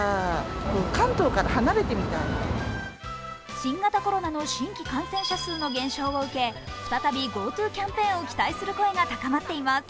新型コロナの新規感染者数の減少を受け再びＧｏＴｏキャンペーンを期待する声が高まっています。